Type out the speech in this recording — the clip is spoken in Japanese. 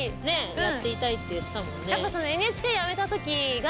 やっていたいって言ってたもんね。